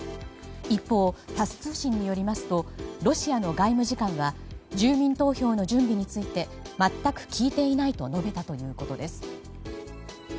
一方、タス通信によりますとロシアの外務次官は住民投票の準備について全く聞いていないと述べたということです。